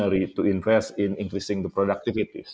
untuk berinvestasi di produktivitas